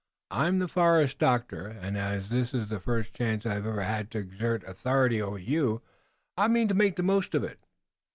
I'm the forest doctor, and as this is the first chance I've ever had to exert authority over you, I mean to make the most of it."